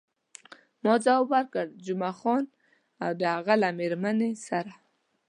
ما ځواب ورکړ، جمعه خان او د هغه له میرمنې سره.